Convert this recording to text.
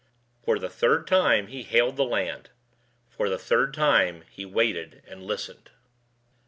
For the third time he hailed the land. For the third time he waited and listened.